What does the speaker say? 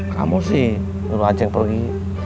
kamu sih nyuruh aja yang pergi